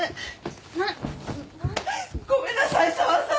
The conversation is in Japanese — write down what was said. ごめんなさい紗和さん。